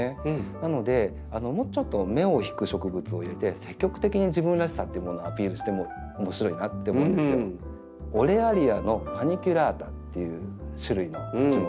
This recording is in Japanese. なのでもうちょっと目を引く植物を入れて積極的に自分らしさっていうものをアピールしても面白いなって思うんですよ。という種類の樹木です。